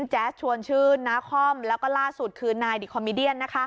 แจ๊สชวนชื่นนาคอมแล้วก็ล่าสุดคือนายดิคอมมิเดียน